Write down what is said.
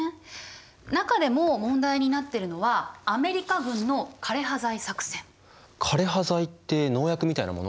中でも問題になってるのはアメリカ軍の枯葉剤って農薬みたいなもの？